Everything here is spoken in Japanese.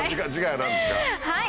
はい！